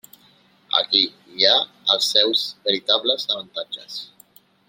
Aquí hi ha els seus veritables avantatges.